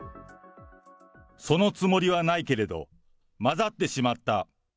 そのつもりはないけれど、混ざってしまった。